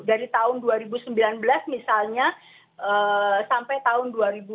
dari tahun dua ribu sembilan belas misalnya sampai tahun dua ribu dua puluh